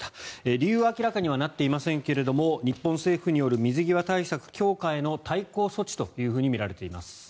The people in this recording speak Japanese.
理由は明らかにはなっていませんけれども日本政府による水際対策強化への対抗措置とみられています。